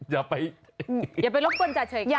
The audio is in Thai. อย่าควรจาเฉยเขา